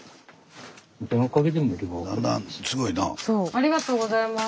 ありがとうございます。